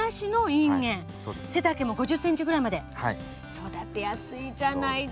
育てやすいじゃないですか。